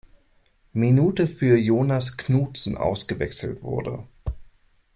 Minute für Jonas Knudsen ausgewechselt wurde.